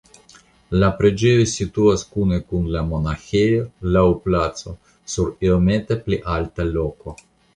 La preĝejo situas kune kun la monaĥejo laŭ placo sur iomete pli alta loko.